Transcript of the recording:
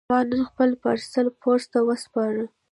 ما نن خپل پارسل پوسټ ته وسپاره.